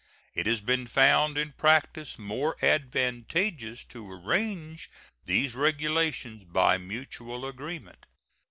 It has been found in practice more advantageous to arrange these regulations by mutual agreement.